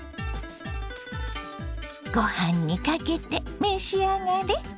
ご飯にかけて召し上がれ。